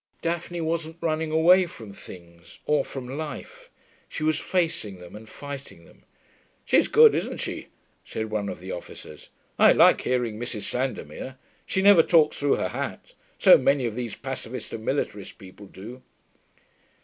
Daphne wasn't running away from things, or from life: she was facing them and fighting them. 'She's good, isn't she?' said one of the officers. 'I like hearing Mrs. Sandomir. She never talks through her hat. So many of these Pacifist and Militarist people do.'